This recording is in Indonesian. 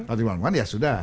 kalau dipulangkan ya sudah